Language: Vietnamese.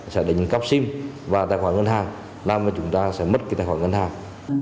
sẽ đánh cắp sim và tài khoản ngân hàng làm chúng ta sẽ mất cái tài khoản ngân hàng